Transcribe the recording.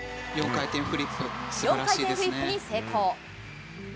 ４回転フリップに成功。